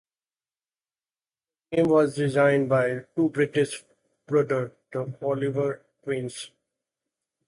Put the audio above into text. The game was designed by two British brothers, the Oliver Twins.